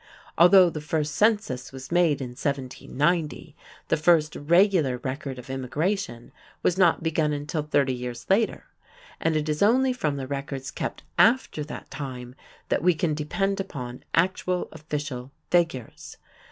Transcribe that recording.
Although the First Census was made in 1790, the first regular record of immigration was not begun until thirty years later, and it is only from the records kept after that time that we can depend upon actual official figures.